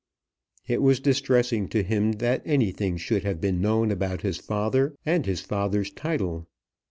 It was distressing to him that anything should have been known about his father and his father's title.